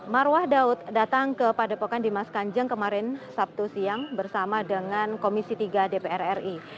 marwah daud datang ke padepokan dimas kanjeng kemarin sabtu siang bersama dengan komisi tiga dpr ri